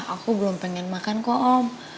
aku belum pengen makan kok om